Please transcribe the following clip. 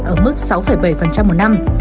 ở mức sáu bảy một năm